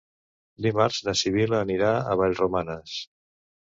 Dimarts na Sibil·la anirà a Vallromanes.